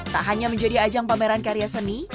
tak hanya menjadi ajang pameran karya seni